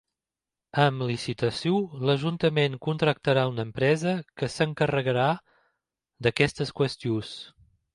Amb licitació, l’ajuntament contractarà una empresa que s’encarregarà d’aquestes qüestions.